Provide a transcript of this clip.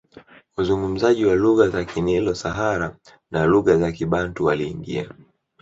Wazungumzaji wa lugha za Kinilo Sahara na lugha za Kibantu waliingia